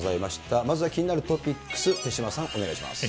まずは気になるトピックス、手嶋さん、お願いします。